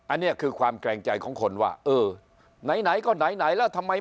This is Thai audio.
อันนี้คือความแกร่งใจของคนว่าไหนก็ไหนแล้วทำไม